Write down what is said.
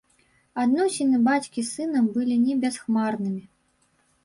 Адносіны бацькі з сынам былі не бясхмарнымі.